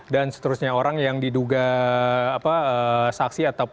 dan seterusnya orang yang diduga saksi